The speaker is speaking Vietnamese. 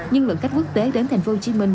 nhưng lượng khách quốc tế đến thành phố hồ chí minh